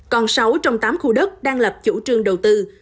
còn sáu trong tám khu đất đang lập chủ trương đầu tư